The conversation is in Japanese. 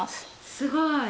すごい。